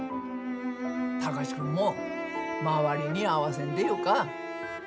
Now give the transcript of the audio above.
貴司君も周りに合わせんでよか。